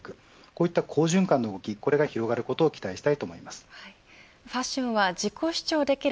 こういった好循環の動きが広がることを期待したいです。